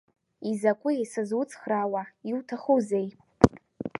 Изакәи сызуцхраауа, иуҭахузеи?